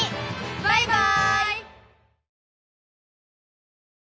バイバイ！